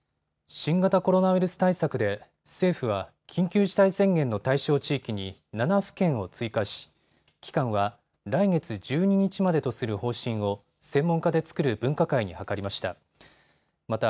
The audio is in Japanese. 新型コロナウイルス対策で政府は緊急事態宣言の対象地域に７府県を追加し、期間は来月１２日までとする方針を専門家で作る分科会に諮りました。